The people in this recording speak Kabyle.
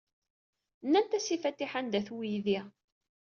Nnant-as i Fatiḥa anda-t weydi.